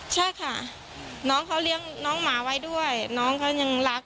ใช่ค่ะน้องเขาเลี้ยงน้องหมาไว้ด้วยน้องเขายังรัก